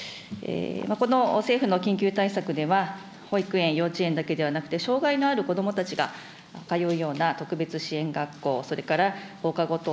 この政府の緊急対策では、保育園、幼稚園だけではなくて、障害のある子どもたちが通うような特別支援学校、それから、放課後等